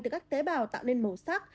từ các tế bào tạo nên màu sắc